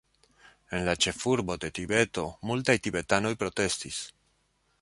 En la ĉefurbo de Tibeto, multaj tibetanoj protestis.